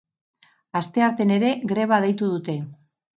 Asteartean ere greba deitu dute.